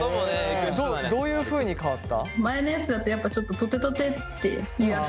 どういうふうに変わった？